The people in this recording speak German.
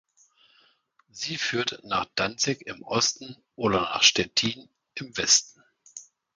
Sie führt nach Danzig im Osten oder nach Stettin im Westen.